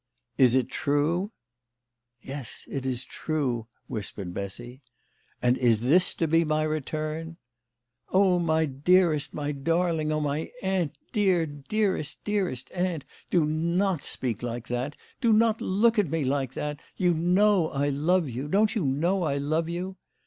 "Is it true ?"" Yes, it is true," whispered Bessy. "And this is to be my return ?" "Oh, my dearest, my darling, oh, my aunt, dear, dearest, dearest aunt ! Do not speak like that ! Do not look at me like that ! You know I love you. Don't you know I love you